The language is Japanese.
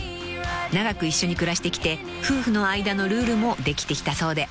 ［長く一緒に暮らしてきて夫婦の間のルールもできてきたそうで］